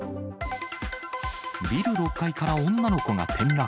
ビル６階から女の子が転落。